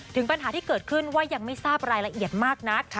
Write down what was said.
ถึงปัญหาที่เกิดขึ้นว่ายังไม่ทราบรายละเอียดมากนัก